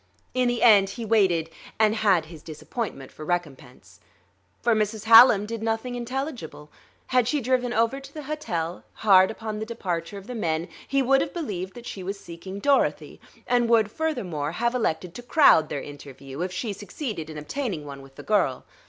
In the end he waited; and had his disappointment for recompense. For Mrs. Hallam did nothing intelligible. Had she driven over to the hotel, hard upon the departure of the men, he would have believed that she was seeking Dorothy, and would, furthermore, have elected to crowd their interview, if she succeeded in obtaining one with the girl.